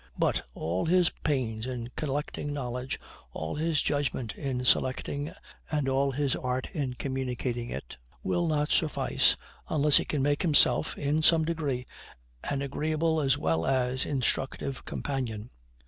But all his pains in collecting knowledge, all his judgment in selecting, and all his art in communicating it, will not suffice, unless he can make himself, in some degree, an agreeable as well as an instructive companion.